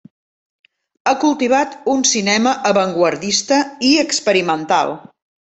Ha cultivat un cinema avantguardista i experimental.